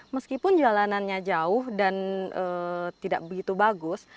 meskipun jalanannya jauh dan tidak begitu bagus